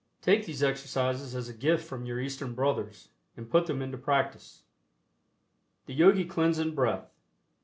Take these exercises as a gift from your Eastern brothers and put them into practice. THE YOGI CLEANSING BREATH.